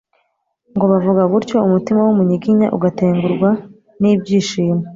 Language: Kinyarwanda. ngo bavuga gutyo umutima w'Umunyiginya ugatengurwa n'ibyishimo.